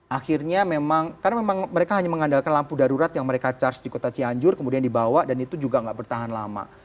akhirnya memang karena memang mereka hanya mengandalkan lampu darurat yang mereka charge di kota cianjur kemudian dibawa dan itu juga nggak bertahan lama